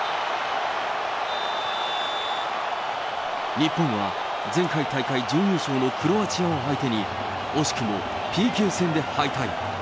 日本は前回大会準優勝のクロアチアを相手に、惜しくもＰＫ戦で敗退。